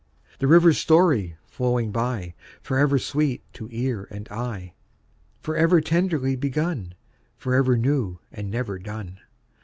The river's story flowing by, Forever sweet to ear and eye, Forever tenderly begun Forever new and never done.